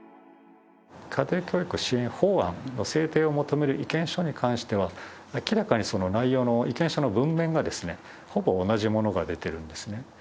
家庭教育支援法は制定を求める意見書に関しては明らかに内容の意見書の文面が、ほぼ同じものが出ているんですね。